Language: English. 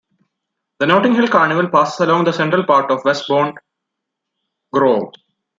The Notting Hill Carnival passes along the central part of Westbourne Grove.